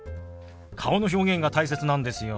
顔の表現が大切なんですよ。